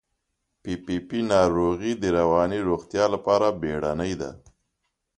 پي پي پي ناروغي د رواني روغتیا لپاره بیړنۍ ده.